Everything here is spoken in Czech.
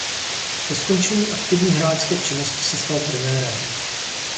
Po skončení aktivní hráčské činnosti se stal trenérem.